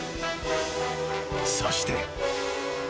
［そして］